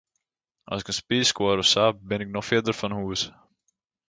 As ik in spier skuor of sa, bin ik noch fierder fan hûs.